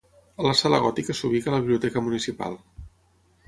A la sala Gòtica s'ubica la Biblioteca municipal.